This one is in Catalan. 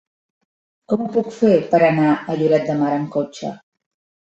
Com ho puc fer per anar a Lloret de Mar amb cotxe?